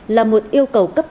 là một yêu cầu cấp tính